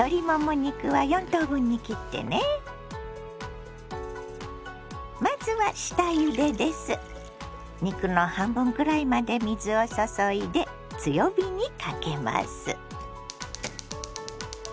肉の半分くらいまで水を注いで強火にかけます。